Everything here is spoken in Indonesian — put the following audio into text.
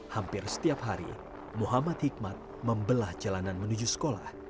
hampir setiap hari muhammad hikmat membelah jalanan menuju sekolah